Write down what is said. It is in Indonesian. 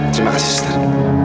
terima kasih sustan